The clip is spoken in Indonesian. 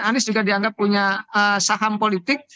anies juga dianggap punya saham politik